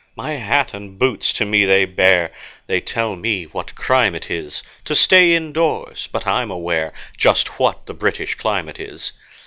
My hat and boots to me they bear. They tell me what crime it is To stay indoors; but I'm aware Just what the British climate is.